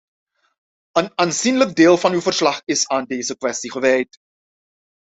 Een aanzienlijk deel van uw verslag is aan deze kwestie gewijd.